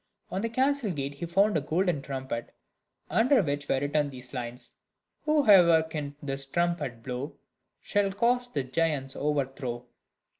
On the castle gate he found a golden trumpet, under which were written these lines: "Whoever can this trumpet blow, Shall cause the giant's overthrow."